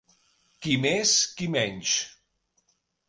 Qui més qui menys.